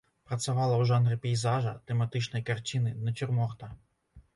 Працавала ў жанры пейзажа, тэматычнай карціны, нацюрморта.